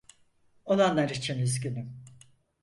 Olanlar için üzgünüm.